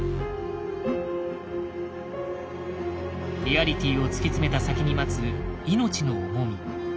リアリティを突き詰めた先に待つ命の重み。